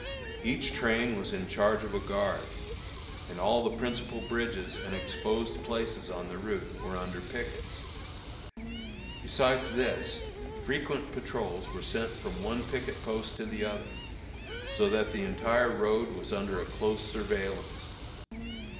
Each train was in charge of a guard, and all the principal bridges and exposed places on the route were under pickets. Besides this, frequent patrols were sent from one picket post to the other, so that the entire road was under a close surveillance.